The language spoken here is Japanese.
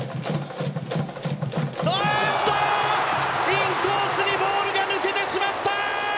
インコースにボールが抜けてしまった！